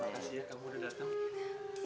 terima kasih ya kamu udah datang